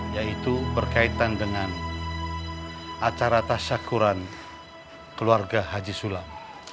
yaitu berkaitan dengan acara tas syakuran keluarga haji sulam